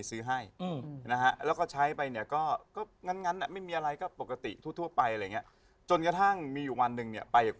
คุณหนุ่มได้ข่าวว่าตอนแรกคุณเก็บกระเป๋าเงินใบนี้ไปแล้ว